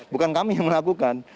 bukan kami yang melakukan